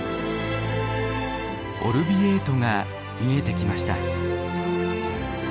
オルヴィエートが見えてきました。